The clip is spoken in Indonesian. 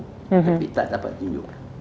tapi tidak dapat tunjuk